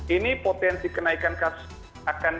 ini potensi kenaikan kasus akan